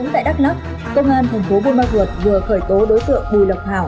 tại đắk lắk công an thành phố buôn ma cuột vừa khởi tố đối tượng bùi lập hảo